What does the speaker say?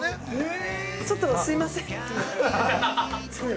◆ちょっとすみません。